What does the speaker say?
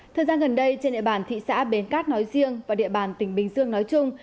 thời gian gần đây trên địa bàn thị xã bến cát nói riêng và địa bàn tỉnh bình dương nói chung